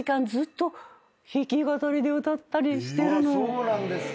そうなんですか。